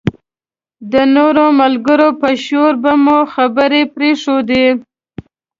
د نورو ملګرو په شور به مو خبرې پرېښودې.